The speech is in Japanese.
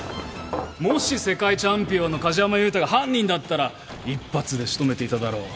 もし世界チャンピオンの梶山裕太が犯人だったら一発で仕留めていただろう。